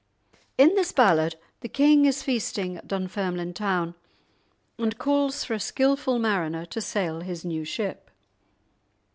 In this ballad the king is feasting at Dunfermline town, and calls for a skilful mariner to sail his new ship.